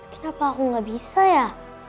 kenapa aku nggak bisa ya